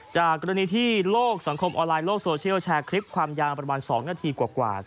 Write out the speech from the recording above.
จากกรณีที่โลกสังคมออนไลน์โลกโซเชียลแชร์คลิปความยาวประมาณ๒นาทีกว่า